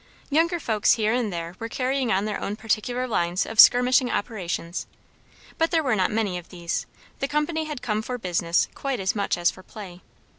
Younger folks here and there were carrying on their own particular lines of skirmishing operations; but there were not many of these; the company had come for business quite as much as for play.